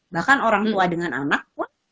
bahkan orang tua dengan anak pun